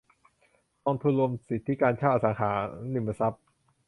กองทุนรวมสิทธิการเช่าอสังหาริมทรัพย์